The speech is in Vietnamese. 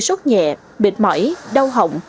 sốt nhẹ bệnh mỏi đau hỏng